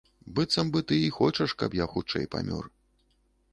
Быццам бы ты і хочаш, каб я хутчэй памёр.